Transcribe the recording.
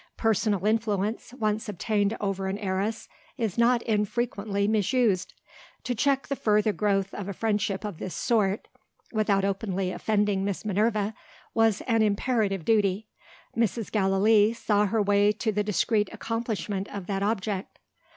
Personal influence, once obtained over an heiress, is not infrequently misused. To check the further growth of a friendship of this sort (without openly offending Miss Minerva) was an imperative duty. Mrs. Gallilee saw her way to the discreet accomplishment of that object.